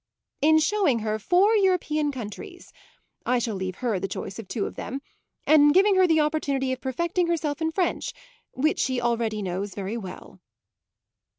"In showing her four European countries I shall leave her the choice of two of them and in giving her the opportunity of perfecting herself in French, which she already knows very well."